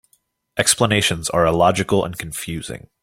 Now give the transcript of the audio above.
Explanations are illogical and confusing.